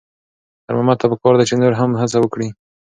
خیر محمد ته پکار ده چې نور هم هڅه وکړي.